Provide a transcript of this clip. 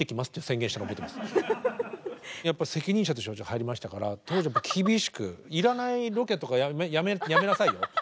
やっぱ責任者として私は入りましたから当時は厳しく「要らないロケとかやめなさいよ」